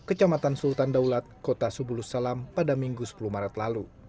kecamatan sultan daulat kota subulus salam pada minggu sepuluh maret lalu